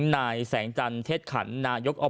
นายแสงจันทร์เทศขันนายว่า